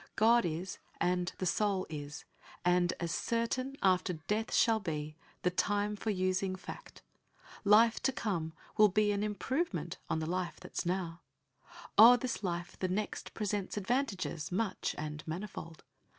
,.. God is, and the soul is, and, as certain after death shall be The time for using fact ! Life to come will be improvement on the life that's now ... O'er this life the next presents advantages much and manifold.